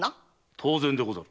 当然でござる。